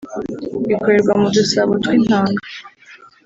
ikorerwa mu dusabo tw’intanga